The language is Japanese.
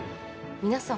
皆さん